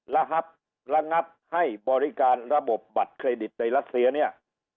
ระงับให้บริการระบบบัตรเครดิตในรัสเซียเนี่ย